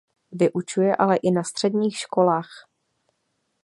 Vyučuje ale i na středních školách.